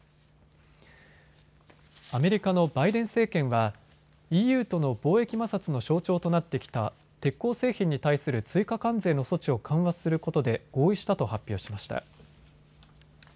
アメリカのバイデン政権はＥＵとの貿易摩擦の象徴となってきた鉄鋼製品に対する追加関税の措置を緩和することで合意したと発表しました。